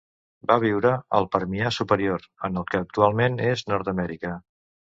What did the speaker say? Va viure al Permià superior en el que actualment és Nord-amèrica.